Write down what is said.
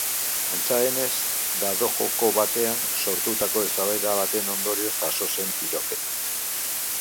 Antza denez, dado-joko batean sortutako eztabaida baten ondorioz jazo zen tiroketa.